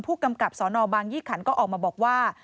ผู้กำกับสนบางยี่ขันก็ออกมาบอกว่า